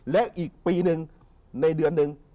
แล้วอีกปีหนึ่งในเดือนหนึ่ง